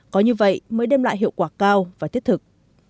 có như vậy mới đem lại hiệu quả cao và thiết thực